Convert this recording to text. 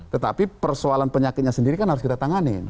tetapi persoalan penyakitnya sendiri kan harus kita tanganin